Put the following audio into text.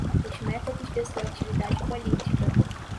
os métodos de sua atividade política